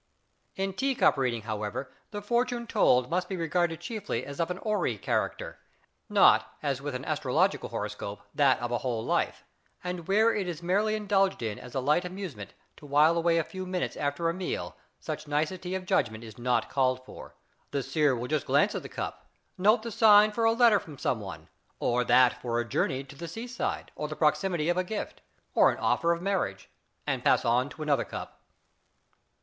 In tea cup reading, however, the fortune told must be regarded chiefly as of a horary character, not, as with an astrological horoscope, that of a whole life; and where it is merely indulged in as a light amusement to while away a few minutes after a meal such nicety of judgment is not called for. The seer will just glance at the cup, note the sign for a letter from someone, or that for a journey to the seaside or the proximity of a gift, or an offer of marriage, and pass on to another cup.